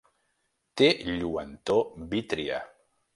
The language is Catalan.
Té lluentor vítria.